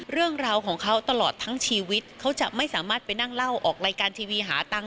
เรื่องราวของเขาตลอดทั้งชีวิตเขาจะไม่สามารถไปนั่งเล่าออกรายการทีวีหาตังค์